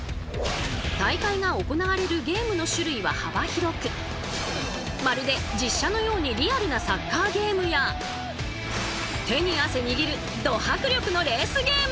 大会が行われるゲームの種類は幅広くまるで実写のようにリアルなサッカーゲームや手に汗握るド迫力のレースゲーム。